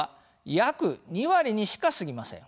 約２割にしかすぎません。